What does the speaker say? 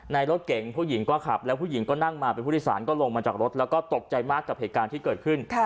รถเก่งผู้หญิงก็ขับแล้วผู้หญิงก็นั่งมาเป็นผู้โดยสารก็ลงมาจากรถแล้วก็ตกใจมากกับเหตุการณ์ที่เกิดขึ้น